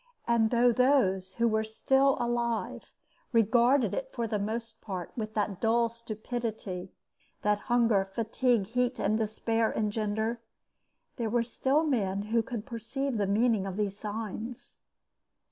And though those who were still alive regarded it for the most part with that dull stupidity that hunger, fatigue, heat and despair engender, there were still men who could perceive the meaning of these signs.